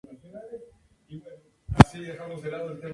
En esa dirección se encuentra el montañoso y cercano pueblo de Barrio.